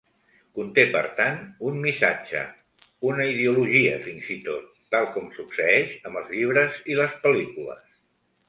Conté per tant un missatge, una "ideologia" fins i tot, tal com succeeix amb els llibres i les pel·lícules.